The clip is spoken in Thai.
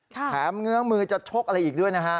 เงื้อมือจะชกอะไรอีกด้วยนะฮะ